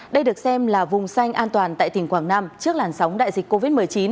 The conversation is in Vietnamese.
đây được xem là vùng xanh an toàn tại tỉnh quảng nam trước làn sóng đại dịch covid một mươi chín